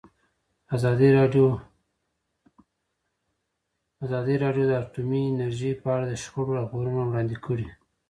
ازادي راډیو د اټومي انرژي په اړه د شخړو راپورونه وړاندې کړي.